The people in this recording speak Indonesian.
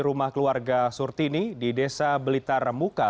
rumah keluarga surtini di desa blitar muka